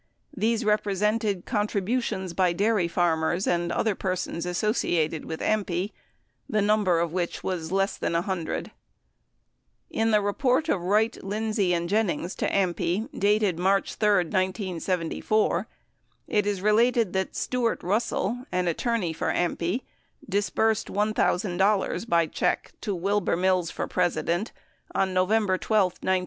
These repre sented contributions by dairy farmers and other persons associated with AMPI, the number of which was less than 100. In the report of Wright, Lindsey, and Jennings to AMPI, dated March 13, 1974, it is related that Stuart Russell, an attorney for AMPI, disbursed $1,000 by check to Wilbur Mills for President on November 12, 1971.